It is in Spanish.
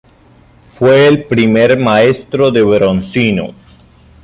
Fue el primer maestro de Bronzino.